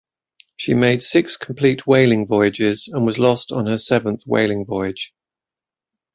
She made six complete whaling voyages and was lost on her seventh whaling voyage.